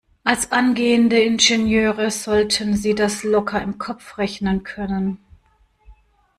Als angehende Ingenieure sollten Sie das locker im Kopf rechnen können.